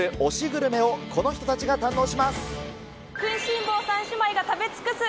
グルメを、この人たちが堪能します。